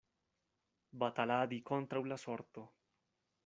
Bataladi kontraŭ la sorto.